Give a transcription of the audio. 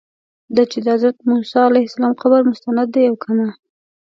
دا چې د حضرت موسی علیه السلام قبر مستند دی او که نه.